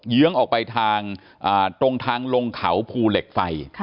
เยื้องออกไปทางตรงทางลงเขาภูเหล็กไฟ